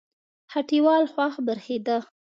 هټۍوال خوښ برېښېده